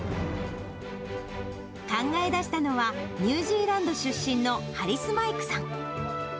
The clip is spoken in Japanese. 考え出したのは、ニュージーランド出身のハリス・マイクさん。